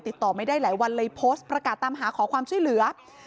ติดต่อไม่ได้หลายวันเลยโพสต์ประกาศตามหาขอความช่วยเหลือ